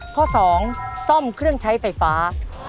ข้อ๒ซ่อมเครื่องใช้ไฟฟ้า